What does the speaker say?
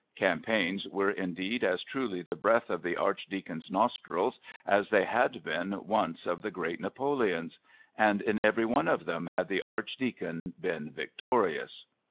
Campaigns were indeed as truly the breath of the Archdeacon's nostrils as they had been once of the great Napoleon's and in every one of them had the Archdeacon been victorious.